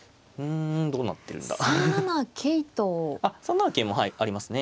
あっ３七桂もありますね。